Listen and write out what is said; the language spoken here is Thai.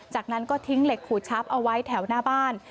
จากนั้นก็ทิ้งเหล็กขูดชับเอาไว้แถวหน้าบ้าน